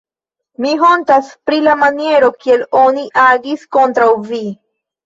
mi hontas pri la maniero, kiel oni agis kontraŭ vi.